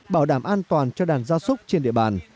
bảo đảm an toàn cho đàn gia súc trên địa bàn